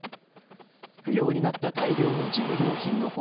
不要になった大量の事務用品の他